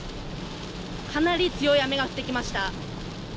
かなり強い雨が降ってきました。